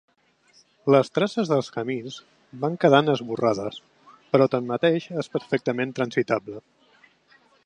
Les traces dels camins van quedant esborrades però tanmateix és perfectament transitable.